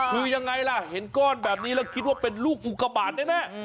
คือยังไงล่ะเห็นก้อนแบบนี้แล้วคิดว่าเป็นลูกอุกบาทแน่